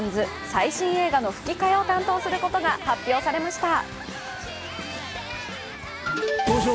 最新映画の吹き替えを担当することが発表されました。